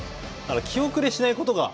気後れしないこと。